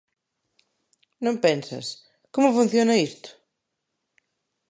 Non pensas: Como funciona isto?